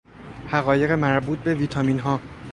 حقایق مربوط به ویتامینها